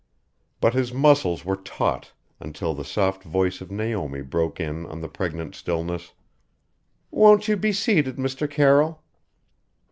But his muscles were taut until the soft voice of Naomi broke in on the pregnant stillness "Won't you be seated, Mr. Carroll?"